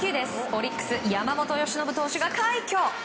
オリックス山本由伸投手が快挙。